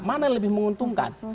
mana yang lebih menguntungkan